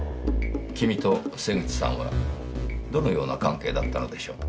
君と瀬口さんはどのような関係だったのでしょう？